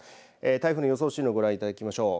台風の予想進路ご覧いただきましょう。